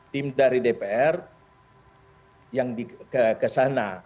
tim dari dpr yang ke sana